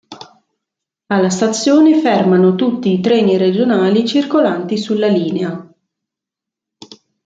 Alla stazione fermano tutti i treni regionali circolanti sulla linea.